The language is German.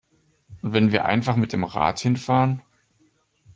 Und wenn wir einfach mit dem Rad hinfahren?